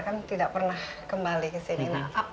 kan tidak pernah kembali kesini